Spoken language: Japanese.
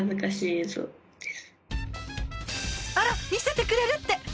あら見せてくれるって！